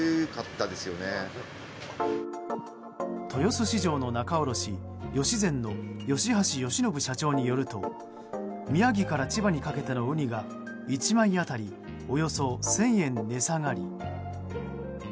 豊洲市場の仲卸吉善の吉橋善伸社長によると宮城から千葉にかけてのウニが１枚当たりおよそ１０００円値下がり。